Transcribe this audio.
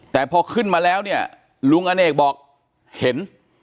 แต่พอขึ้นมาแล้วเนี่ยลุงอเนกบอกเห็น